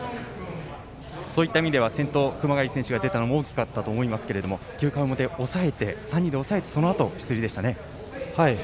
そういった意味では先頭、熊谷選手が出たの大きかったと思いますが９回表、３人で抑えてその中での流れでしたね。